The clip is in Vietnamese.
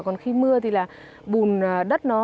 còn khi mưa thì bùn đất